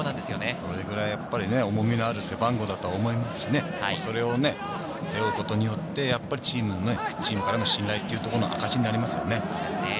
それぐらい重みのある番号だと思いますし、それを背負うことによって、チームのね、チームからの信頼の証になりますね。